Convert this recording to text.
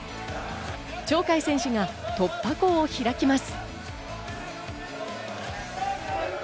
鳥海選手が突破口を開きます。